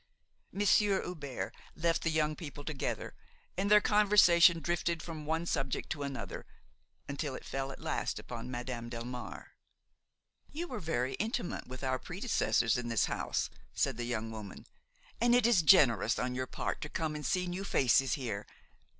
Monsieur Hubert left the young people together; and their conversation drifted from one subject to another, until it fell at last upon Madame Delmare. "You were very intimate with our predecessors in this house," said the young woman, "and it is generous on your part to come and see new faces here.